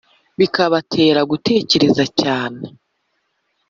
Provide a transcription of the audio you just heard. bikabatera gutekereza cyane